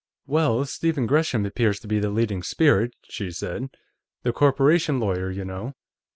"Well, Stephen Gresham appears to be the leading spirit," she said. "The corporation lawyer, you know.